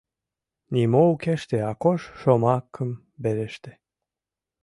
— нимо укеште Акош шомакым вереште.